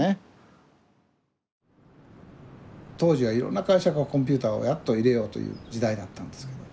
当時はいろんな会社がコンピューターをやっと入れようという時代だったんです。